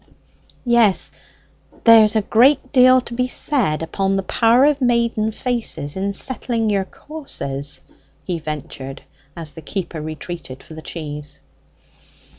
"Yes, there's a great deal to be said upon the power of maiden faces in settling your courses," he ventured, as the keeper retreated for the cheese.